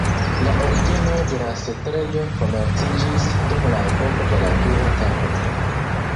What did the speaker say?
La originoj de la setlejo komenciĝis dum la epoko de la Dua Templo.